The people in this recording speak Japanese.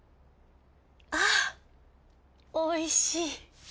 あおいしい。